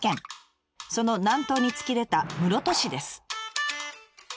その南東に突き出た室戸市です。